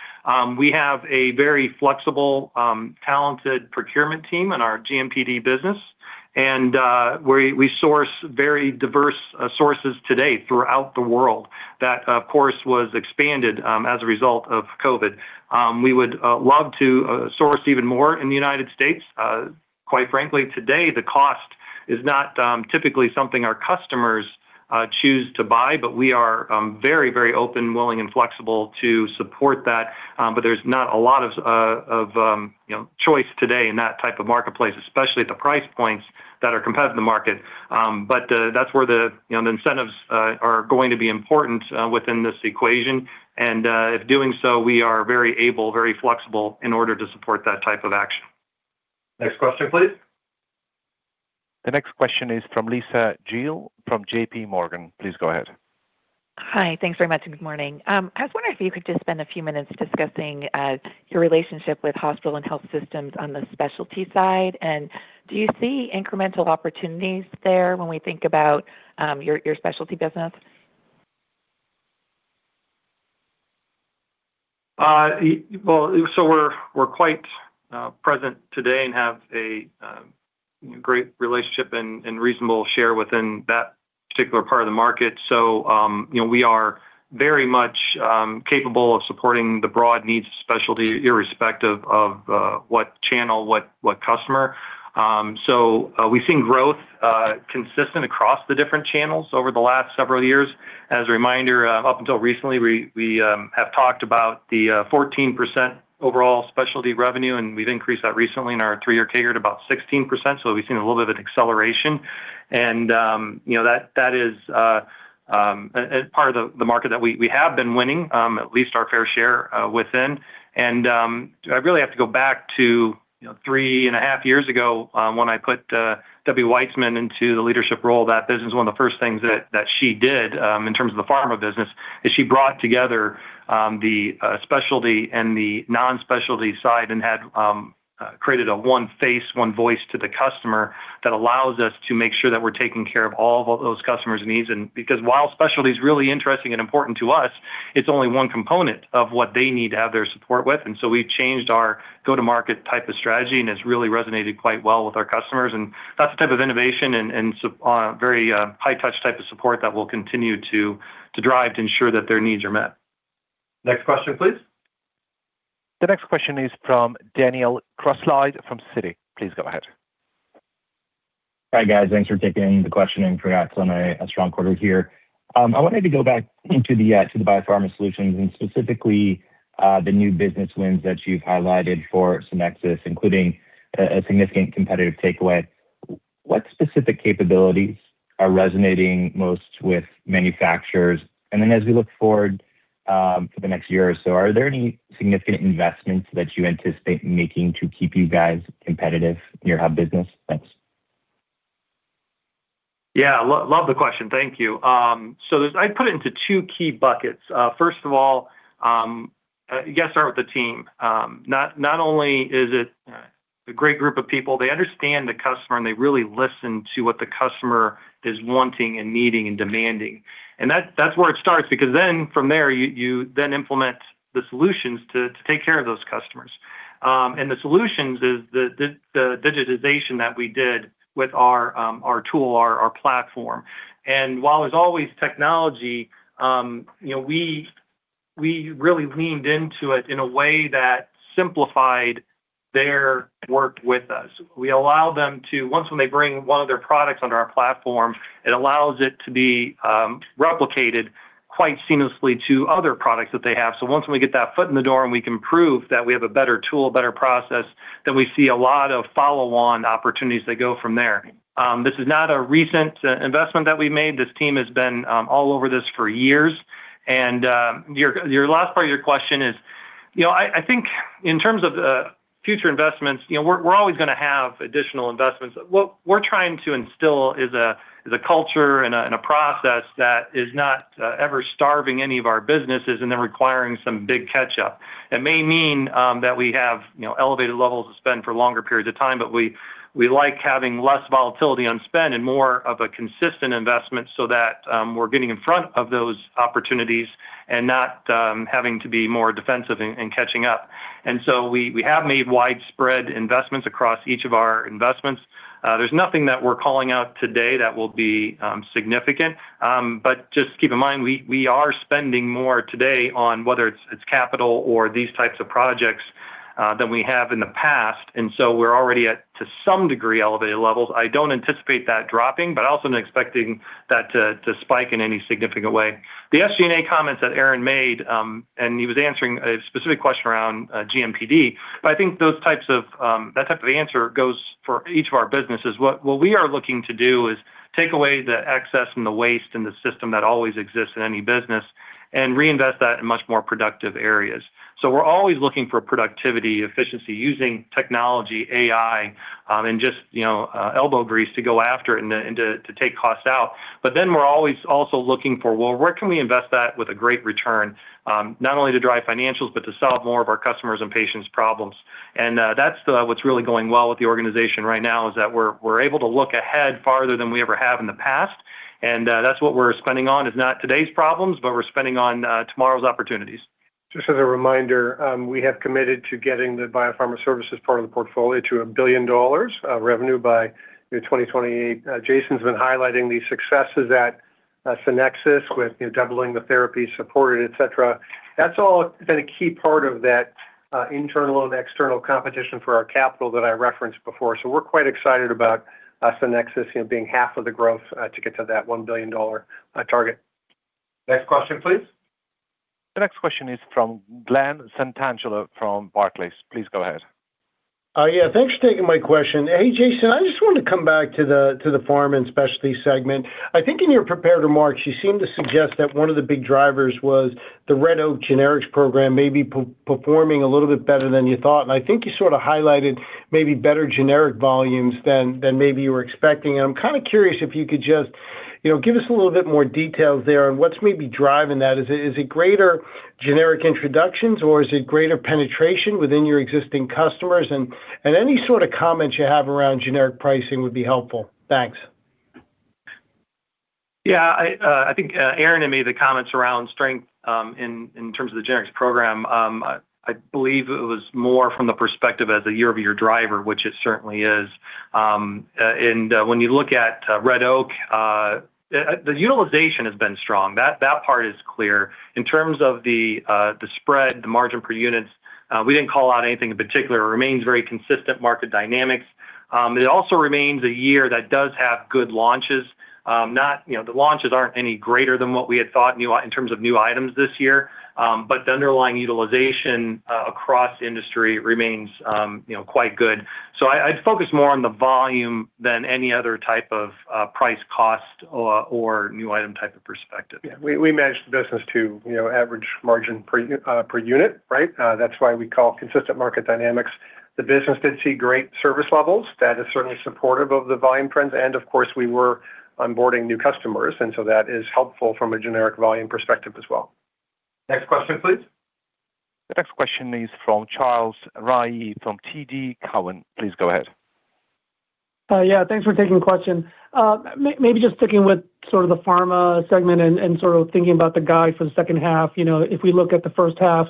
We have a very flexible, talented procurement team in our GMPD business, and we source very diverse sources today throughout the world. That, of course, was expanded as a result of COVID. We would love to source even more in the United States. Quite frankly, today, the cost is not typically something our customers choose to buy, but we are very, very open, willing, and flexible to support that. But there's not a lot of choice today in that type of marketplace, especially at the price points that are competitive in the market. But that's where the you know the incentives are going to be important within this equation. And if doing so, we are very able, very flexible in order to support that type of action. Next question, please. The next question is from Lisa Gill from J.P. Morgan. Please go ahead. Hi, thanks very much, and good morning. I was wondering if you could just spend a few minutes discussing your relationship with hospital and health systems on the specialty side, and do you see incremental opportunities there when we think about your specialty business? Well, so we're quite present today and have a great relationship and reasonable share within that particular part of the market. So, you know, we are very much capable of supporting the broad needs of specialty, irrespective of what channel, what customer. So, we've seen growth consistent across the different channels over the last several years. As a reminder, up until recently, we have talked about the 14% overall specialty revenue, and we've increased that recently in our three-year target, about 16%, so we've seen a little bit of an acceleration. And, you know, that is a part of the market that we have been winning, at least our fair share, within. I really have to go back to, you know, three and a half years ago, when I put Debbie Weitzman into the leadership role. That business, one of the first things that she did, in terms of the pharma business, is she brought together the specialty and the non-specialty side and had created a one face, one voice to the customer that allows us to make sure that we're taking care of all of those customers' needs. And because while specialty is really interesting and important to us, it's only one component of what they need to have their support with, and so we've changed our go-to-market type of strategy, and it's really resonated quite well with our customers. And that's the type of innovation and support that we'll continue to drive to ensure that their needs are met. Next question, please. The next question is from Daniel Grosslight from Citi. Please go ahead. Hi, guys. Thanks for taking the question, and congrats on a strong quarter here. I wanted to go back into the Biopharma Solutions and specifically the new business wins that you've highlighted for Sonexus, including a significant competitive takeaway. What specific capabilities are resonating most with manufacturers? And then as we look forward to the next year or so, are there any significant investments that you anticipate making to keep you guys competitive in your hub business? Thanks. Yeah. Love the question. Thank you. So there's—I'd put it into two key buckets. First of all, you gotta start with the team. Not only is it a great group of people, they understand the customer, and they really listen to what the customer is wanting and needing and demanding. And that's where it starts because then from there, you then implement the solutions to take care of those customers. And the solutions is the digitization that we did with our tool, our platform. And while it's always technology, you know, we really leaned into it in a way that simplified their work with us. We allow them to... Once when they bring one of their products onto our platform, it allows it to be replicated quite seamlessly to other products that they have. So once we get that foot in the door, and we can prove that we have a better tool, a better process, then we see a lot of follow-on opportunities that go from there. This is not a recent investment that we made. This team has been all over this for years. Your last part of your question is, you know, I think in terms of future investments, you know, we're always going to have additional investments. What we're trying to instill is a culture and a process that is not ever starving any of our businesses and then requiring some big catch-up. It may mean that we have, you know, elevated levels of spend for longer periods of time, but we like having less volatility on spend and more of a consistent investment so that we're getting in front of those opportunities and not having to be more defensive and catching up. So we have made widespread investments across each of our investments. There's nothing that we're calling out today that will be significant. But just keep in mind, we are spending more today on whether it's capital or these types of projects than we have in the past, and so we're already at, to some degree, elevated levels. I don't anticipate that dropping, but I also am expecting that to spike in any significant way. The SG&A comments that Aaron made, and he was answering a specific question around, GMPD, but I think those types of, that type of answer goes for each of our businesses. What we are looking to do is take away the excess and the waste in the system that always exists in any business and reinvest that in much more productive areas. So we're always looking for productivity, efficiency, using technology, AI, and just, you know, elbow grease to go after it and to take costs out. But then we're always also looking for, well, where can we invest that with a great return, not only to drive financials, but to solve more of our customers' and patients' problems. That's what's really going well with the organization right now, is that we're able to look ahead farther than we ever have in the past. That's what we're spending on, is not today's problems, but we're spending on tomorrow's opportunities. Just as a reminder, we have committed to getting the biopharma services part of the portfolio to $1 billion of revenue by 2028. Jason's been highlighting the successes at Sonexus with, you know, doubling the therapy supported, et cetera. That's all been a key part of that, internal and external competition for our capital that I referenced before. So we're quite excited about Sonexus, you know, being half of the growth, to get to that $1 billion target. Next question, please. The next question is from Glen Santangelo from Barclays. Please go ahead. Yeah, thanks for taking my question. Hey, Jason, I just wanted to come back to the, to the pharma and specialty segment. I think in your prepared remarks, you seemed to suggest that one of the big drivers was the Red Oak Sourcing program may be performing a little bit better than you thought, and I think you sort of highlighted maybe better generic volumes than, than maybe you were expecting. I'm kind of curious if you could just, you know, give us a little bit more details there on what's maybe driving that. Is it, is it greater generic introductions or is it greater penetration within your existing customers? And, and any sort of comments you have around generic pricing would be helpful. Thanks. Yeah, I think Aaron made the comments around strength in terms of the generics program. I believe it was more from the perspective as a year-over-year driver, which it certainly is. And when you look at Red Oak, the utilization has been strong. That part is clear. In terms of the spread, the margin per units, we didn't call out anything in particular. It remains very consistent market dynamics. It also remains a year that does have good launches. Not... You know, the launches aren't any greater than what we had thought in terms of new items this year, but the underlying utilization across industry remains, you know, quite good. So, I'd focus more on the volume than any other type of price, cost, or new item type of perspective. Yeah, we manage the business to, you know, average margin per unit, right? That's why we call consistent market dynamics. The business did see great service levels. That is certainly supportive of the volume trends, and of course, we were onboarding new customers, and so that is helpful from a generic volume perspective as well. Next question, please. The next question is from Charles Rhyee from TD Cowen. Please go ahead. Yeah, thanks for taking the question. Maybe just sticking with sort of the pharma segment and sort of thinking about the guide for the second half. You know, if we look at the first half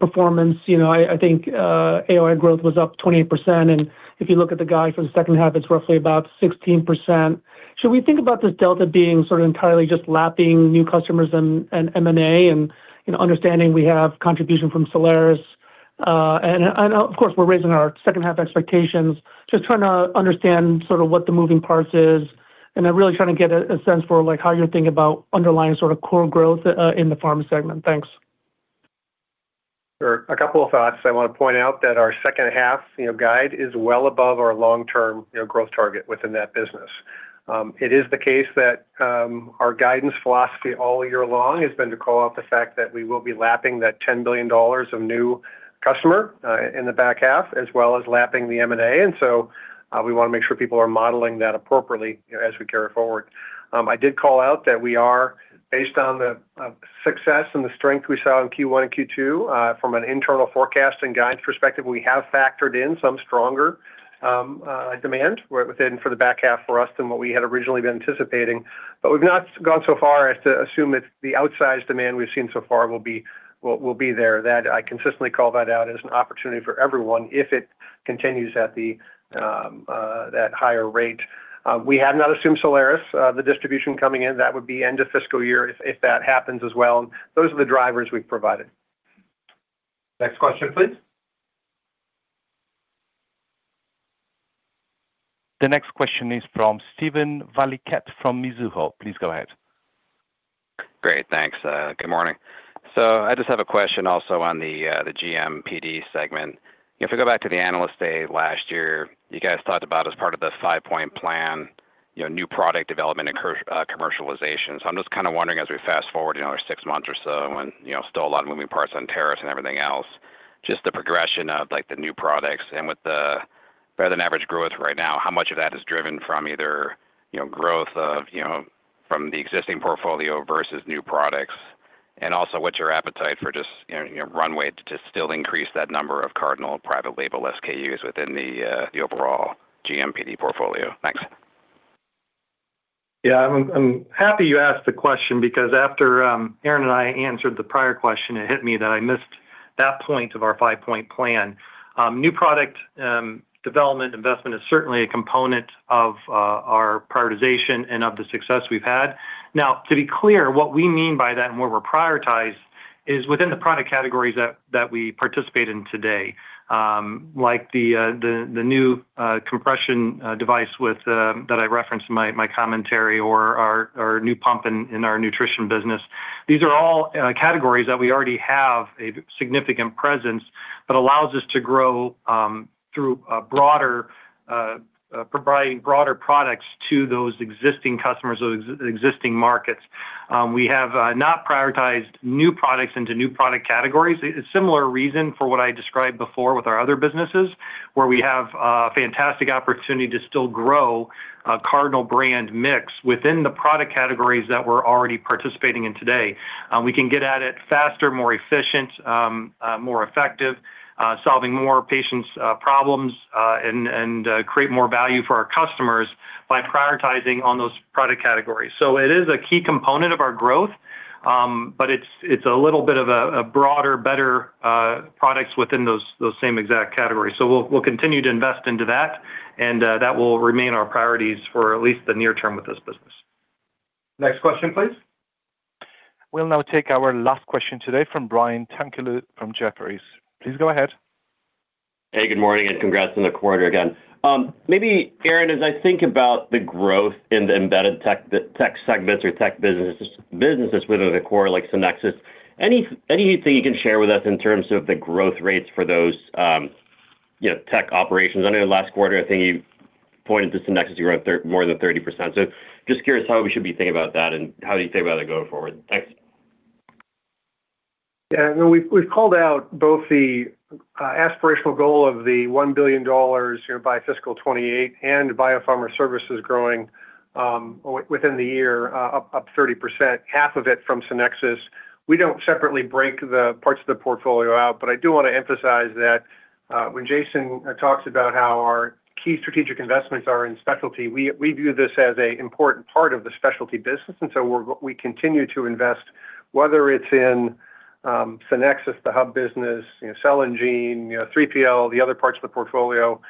performance, you know, I think AOI growth was up 28%, and if you look at the guide for the second half, it's roughly about 16%. Should we think about this delta being sort of entirely just lapping new customers and M&A and understanding we have contribution from Solaris? And of course, we're raising our second-half expectations. Just trying to understand sort of what the moving parts is, and I'm really trying to get a sense for, like, how you're thinking about underlying sort of core growth in the pharma segment. Thanks. Sure. A couple of thoughts. I want to point out that our second half, you know, guide is well above our long-term, you know, growth target within that business. It is the case that our guidance philosophy all year long has been to call out the fact that we will be lapping that $10 billion of new customer in the back half, as well as lapping the M&A. And so, we want to make sure people are modeling that appropriately, you know, as we carry forward. I did call out that we are, based on the success and the strength we saw in Q1 and Q2, from an internal forecast and guidance perspective, we have factored in some stronger demand within for the back half for us than what we had originally been anticipating. But we've not gone so far as to assume it's the outsized demand we've seen so far will be, well, will be there. That, I consistently call that out as an opportunity for everyone if it continues at that higher rate. We have not assumed Solaris, the distribution coming in. That would be end of fiscal year if that happens as well. Those are the drivers we've provided. Next question, please. The next question is from Steven Valiquette from Mizuho. Please go ahead. Great. Thanks. Good morning.... So I just have a question also on the GMPD segment. If we go back to the Analyst Day last year, you guys talked about as part of the 5-point plan, you know, new product development and commercialization. So I'm just kinda wondering, as we fast forward, you know, 6 months or so, and, you know, still a lot of moving parts on tariffs and everything else, just the progression of, like, the new products and with the better-than-average growth right now, how much of that is driven from either, you know, growth of, you know, from the existing portfolio versus new products? And also, what's your appetite for just, you know, your runway to still increase that number of Cardinal private label SKUs within the overall GMPD portfolio? Thanks. Yeah, I'm happy you asked the question because after Aaron and I answered the prior question, it hit me that I missed that point of our five-point plan. New product development investment is certainly a component of our prioritization and of the success we've had. Now, to be clear, what we mean by that and where we're prioritized is within the product categories that we participate in today. Like the new compression device with that I referenced in my commentary or our new pump in our nutrition business. These are all categories that we already have a significant presence that allows us to grow through a broader providing broader products to those existing customers or existing markets. We have not prioritized new products into new product categories. A similar reason for what I described before with our other businesses, where we have a fantastic opportunity to still grow Cardinal brand mix within the product categories that we're already participating in today. We can get at it faster, more efficient, more effective, solving more patients' problems and create more value for our customers by prioritizing on those product categories. So it is a key component of our growth, but it's a little bit of a broader, better products within those same exact categories. So we'll continue to invest into that, and that will remain our priorities for at least the near term with this business. Next question, please. We'll now take our last question today from Brian Tanquilut from Jefferies. Please go ahead. Hey, good morning, and congrats on the quarter again. Maybe, Aaron, as I think about the growth in the embedded tech, the tech segments or tech businesses, businesses within the core, like Sonexus, any, anything you can share with us in terms of the growth rates for those, you know, tech operations? I know last quarter, I think you pointed to Sonexus, you were up more than 30%. So just curious how we should be thinking about that and how do you think about it going forward? Thanks. Yeah, we've called out both the aspirational goal of the $1 billion, you know, by fiscal 2028 and Biopharma services growing within the year up 30%, half of it from Sonexus. We don't separately break the parts of the portfolio out, but I do want to emphasize that when Jason talks about how our key strategic investments are in specialty, we view this as an important part of the specialty business, and so we continue to invest, whether it's in Sonexus, the hub business, you know, cell and gene, you know, 3PL, the other parts of the portfolio,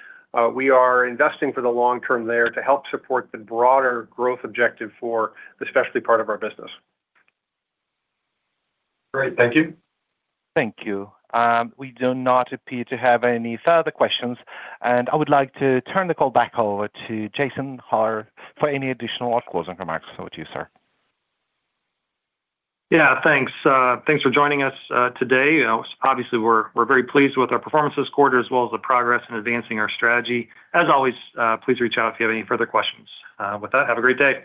we are investing for the long term there to help support the broader growth objective for the specialty part of our business. Great. Thank you. Thank you. We do not appear to have any further questions, and I would like to turn the call back over to Jason Hollar for any additional closing remarks. Over to you, sir. Yeah, thanks. Thanks for joining us today. You know, obviously, we're very pleased with our performance this quarter, as well as the progress in advancing our strategy. As always, please reach out if you have any further questions. With that, have a great day.